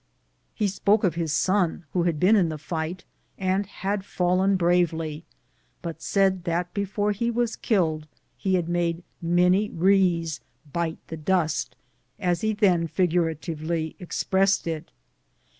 lie spoke of his son who had been in the fight, and had fallen brave ly, but said that before he was killed he had made many Rees "bite the dust," as he then figurative ly expressed it.